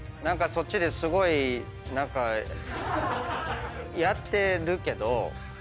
そっちですごい何かやってるけど。